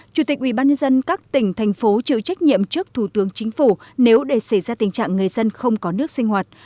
chủ tịch ubnd các tỉnh thành phố chịu trách nhiệm trước thủ tướng chính phủ nếu để xảy ra tình trạng người dân không có nước sinh hoạt